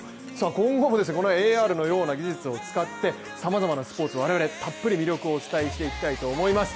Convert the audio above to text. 今後、このＡＲのような技術を使ってさまざまなスポーツの我々たっぷり魅力をお伝えしたいと思います。